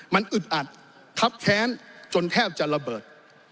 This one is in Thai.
มันอึดอัดครับแค้นจนแทบจะระเบิด